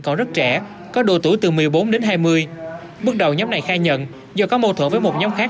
còn rất trẻ có độ tuổi từ một mươi bốn đến hai mươi bước đầu nhóm này khai nhận do có mâu thuẫn với một nhóm khác